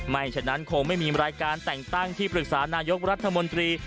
ฉะนั้นคงไม่มีรายการแต่งตั้งที่ปรึกษานายกรัฐมนตรี